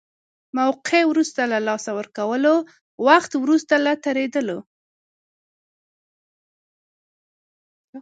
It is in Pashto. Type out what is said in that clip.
موقعه وروسته له لاسه ورکولو، وخت وروسته له تېرېدلو.